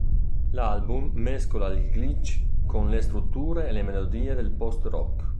L'album mescola il glitch con le strutture e le melodie del post rock.